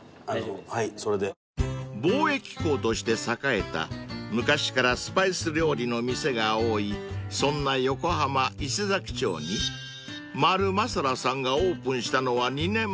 ［貿易港として栄えた昔からスパイス料理の店が多いそんな横浜伊勢佐木町に丸祇羅さんがオープンしたのは２年前］